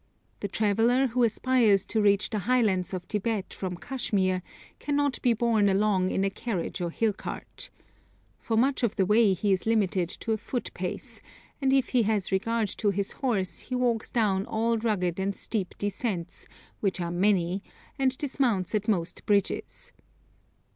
The traveller who aspires to reach the highlands of Tibet from Kashmir cannot be borne along in a carriage or hill cart. For much of the way he is limited to a foot pace, and if he has regard to his horse he walks down all rugged and steep descents, which are many, and dismounts at most bridges.